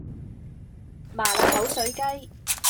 麻辣口水雞